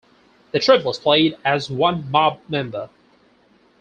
The triplets played as one mob member.